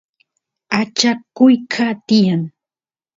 acha kuyqa tiyan